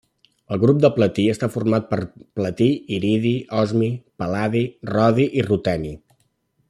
El grup de platí està format per platí, iridi, osmi, pal·ladi, rodi i ruteni.